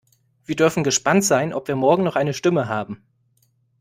Wir dürfen gespannt sein, ob wir morgen noch eine Stimme haben.